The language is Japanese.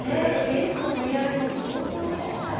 現地の盛り上がりも相当でしたね。